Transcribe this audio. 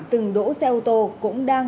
rừng đỗ xe ô tô cũng đang